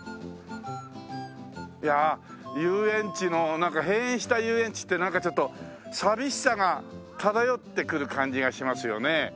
いやあ遊園地のなんか閉園した遊園地ってなんかちょっと寂しさが漂ってくる感じがしますよね。